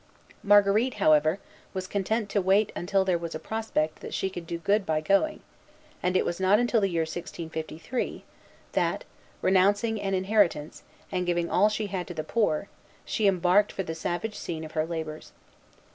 Marguerite, however, was content to wait until there was a prospect that she could do good by going; and it was not till the year 1653, that, renouncing an inheritance, and giving all she had to the poor, she embarked for the savage scene of her labors.